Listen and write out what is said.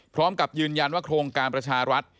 พร้อมกับยืนยันว่าโครงการประชารัฐ